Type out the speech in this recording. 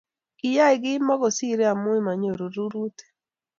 Kiyai komakosirei amu manyori rurutik